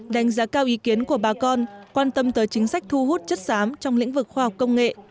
đánh giá cao ý kiến của bà con quan tâm tới chính sách thu hút chất xám trong lĩnh vực khoa học công nghệ